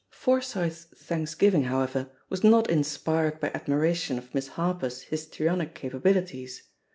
Forsyth^s thanksgiving, however, was not in spired by admiration of Miss Harper's histrionic capabilities.